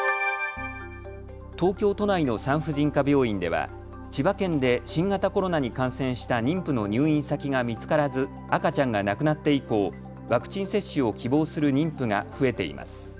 東京都内の産婦人科病院では千葉県で新型コロナに感染した妊婦の入院先が見つからず、赤ちゃんが亡くなって以降ワクチン接種を希望する妊婦が増えています。